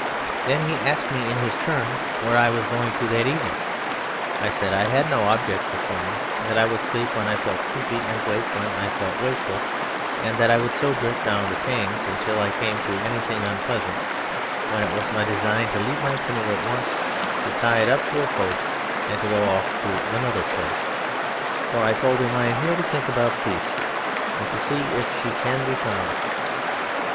Then he asked me in his turn where I was going to that evening. I said I had no object before me, that I would sleep when I felt sleepy, and wake when I felt wakeful, and that I would so drift down Thames till I came to anything unpleasant, when it was my design to leave my canoe at once, to tie it up to a post, and to go off to another place, "for," I told him, "I am here to think about Peace, and to see if She can be found."